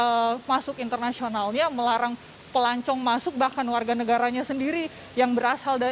bukan menutup pintu pintu masuk internasionalnya melarang pelancong masuk bahkan warga negaranya sendiri yang berasal